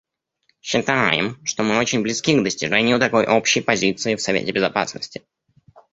Считаем, что мы очень близки к достижению такой общей позиции в Совете Безопасности.